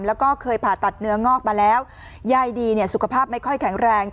แล้วก็เคยผ่าตัดเนื้องอกมาแล้วยายดีเนี่ยสุขภาพไม่ค่อยแข็งแรง